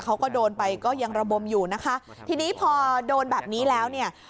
เขาก็โดนไปก็ยังระบมอยู่นะคะทีนี้พอโดนแบบนี้แล้วเนี่ย